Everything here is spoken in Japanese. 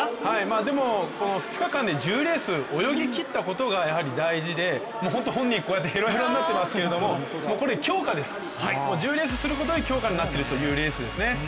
でも２日間で１０レース泳ぎきったことがやはり大事で本当に本人、こうやってヘロヘロになっていますけれども強化です、１０レースすることで強化になっているということです。